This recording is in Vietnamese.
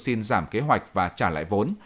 xin giảm kế hoạch và trả lại vốn